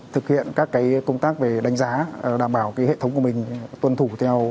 thực hiện các cái công tác về đánh giá đảm bảo cái hệ thống của mình tuân thủ theo